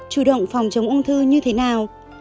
chủ động phòng chống ung thư như thế nào